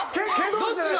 どっちだ！？